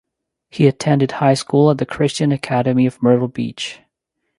He attended high school at the Christian Academy of Myrtle Beach.